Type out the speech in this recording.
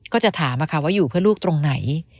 ก็จะถามว่าอยู่เพื่อลูกตรงไหน